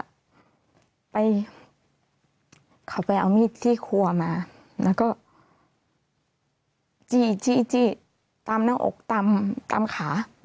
ก็ไปเอามีดที่ครัวมาจีตตามตามขา